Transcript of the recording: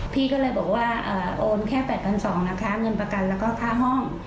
พี่ก็เลยบอกว่าโอนแค่๘๒๐๐นะคะเงินประกันแล้วก็ค่าห้อง